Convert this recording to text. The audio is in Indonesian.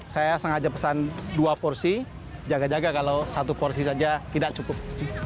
saya sengaja pesan dua porsi jaga jaga kalau satu porsi saja tidak cukup